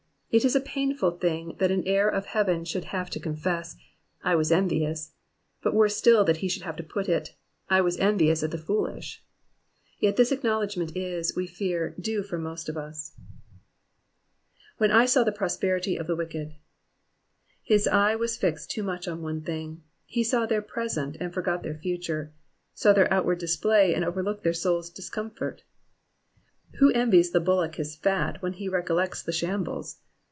It is a pitiful thing that an heir of heaven should have to confess I was envious,'* but worse still that he should have to put it, I was envious at the foolish." Yet this acknowledgment is, we fear, Digitized by VjOOQIC 340 EXPOSITIONS OF THE PSALMS. due from moat of us. ^^When I saw the prosperity of the wicked,^ ^ His eye was fixed too much on one thing ; he saw their present, and forgot their future, saw their outward display, and overlooked their souPs discomfort. Who envies the bullock his fat when he recollects the shambles